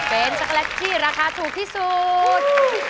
เป็นช็อกโลตที่ราคาถูกที่สุด